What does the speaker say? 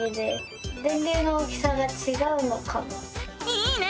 いいね！